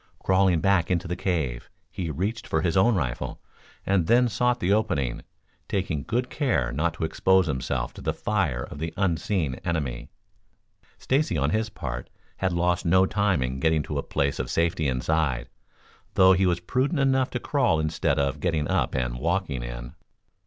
Crawling back into the cave, he reached for his own rifle and then sought the opening, taking good care not to expose himself to the fire of the unseen enemy. Stacy, on his part, had lost no time in getting to a place of safety inside, though he was prudent enough to crawl instead of getting up and walking in.